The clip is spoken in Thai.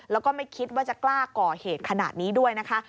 แล้วก็ไม่คิดว่าจะกล้าก่อเหตุขนาดนี้ด้วยนะคะ